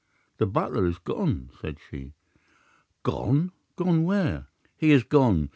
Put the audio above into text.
"'"The butler is gone," said she. "'"Gone! Gone where?" "'"He is gone.